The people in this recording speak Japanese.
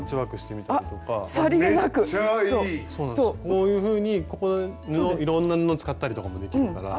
こういうふうにいろんな布を使ったりとかもできるから。